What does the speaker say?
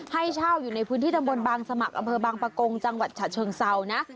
ให้เช่าอยู่ในพื้นที่ตำบลบางสมัครอำเภอบางปะกงจังหวัดฉะเชิงเซานะ